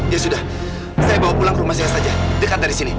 ya sudah saya bawa pulang ke rumah saya saja dekat dari sini